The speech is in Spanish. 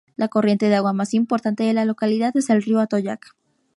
La corriente de agua más importante de la localidad es el río Atoyac.